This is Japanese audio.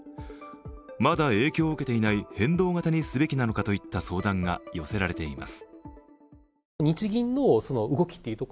まだ影響を受けていない変動型にすべきなのかといった相談が寄せられています。